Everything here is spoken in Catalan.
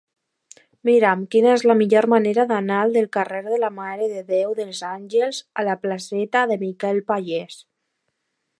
Mira'm quina és la millor manera d'anar del carrer de la Mare de Déu dels Àngels a la placeta de Miquel Pallés.